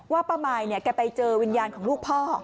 ป้ามายเนี่ยแกไปเจอวิญญาณของลูกพ่อ